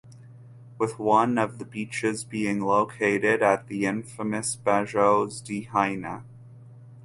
With one of the beaches being located at the infamous Bajos de Haina.